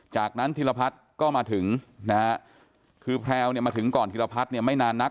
จากนั้นธิรพัฒน์ก็มาถึงนะฮะคือแพลวเนี่ยมาถึงก่อนธิรพัฒน์เนี่ยไม่นานนัก